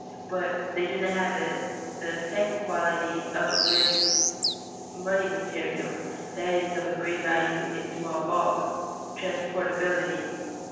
But they do not have the second quality of a good money material, that of great value in small bulk, transportability.